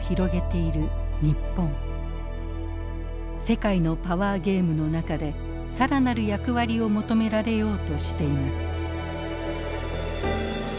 世界のパワーゲームの中で更なる役割を求められようとしています。